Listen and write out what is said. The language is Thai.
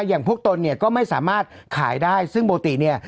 อย่างพวกตนเนี่ยก็ไม่สามารถขายได้ซึ่งปกติเนี่ย